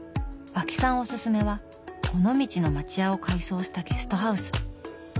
和氣さんおすすめは尾道の町家を改装したゲストハウス。